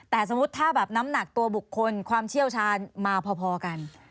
แต่สมมุติถ้าแบบน้ำหนักตัวบุคคลความเชี่ยวชาญมาพอกัน